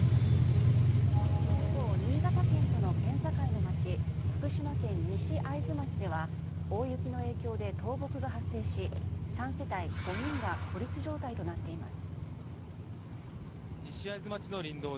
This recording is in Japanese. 一方、新潟県との県境の町、福島県西会津町では、大雪の影響で倒木が発生し、３世帯５人が孤立状態となっています。